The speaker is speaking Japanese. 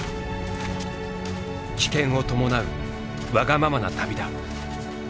危険を伴うわがままな旅だ。